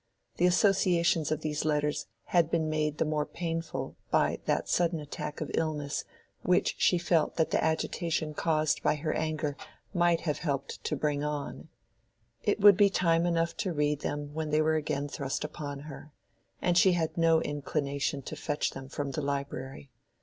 The associations of these letters had been made the more painful by that sudden attack of illness which she felt that the agitation caused by her anger might have helped to bring on: it would be time enough to read them when they were again thrust upon her, and she had had no inclination to fetch them from the library.